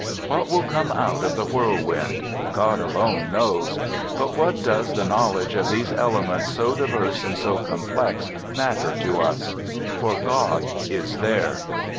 What will come out of the whirlwind ? God alone knows. But what does the knowledge of these elements so diverse and so complex matter to us? For God is there.